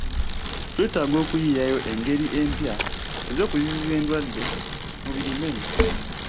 Twetaaga okuyiiyiwo engeri empya ez'okuziyiza endwadde mu birime.